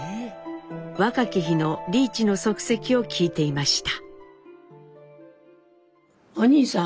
若き日の利一の足跡を聞いていました。